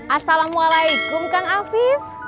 assalamualaikum kang afif